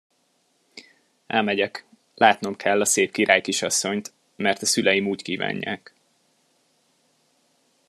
Elmegyek, látnom kell a szép királykisasszonyt, mert a szüleim úgy kívánják.